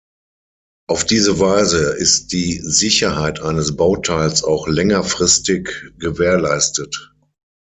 Auf diese Weise ist die Sicherheit eines Bauteils auch längerfristig gewährleistet.